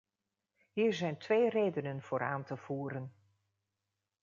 Hier zijn twee redenen voor aan te voeren.